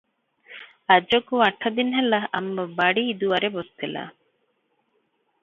ଆଜକୁ ଆଠ ଦିନ ହେଲା ଆମ ବାଡ଼ି ଦୁଆରେ ବସିଥିଲା ।